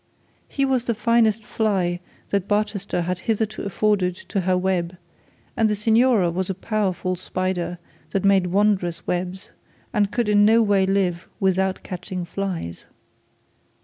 He was the finest fly that Barchester had hitherto afforded to her web; and the signora was a powerful spider that made wondrous webs, and could in no way live without catching flies.